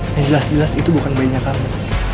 yang jelas jelas itu bukan bayinya kamu